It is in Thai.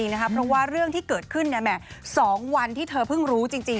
เพราะว่าเรื่องที่เกิดขึ้น๒วันที่เธอเพิ่งรู้จริง